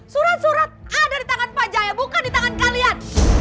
surat surat ada di tangan pak jaya bukan di tangan kalian